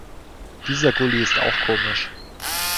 Dieser Gulli ist auch komisch.